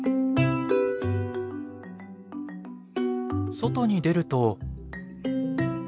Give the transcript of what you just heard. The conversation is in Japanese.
外に出ると。